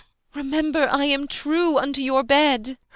Remember I am true unto your bed.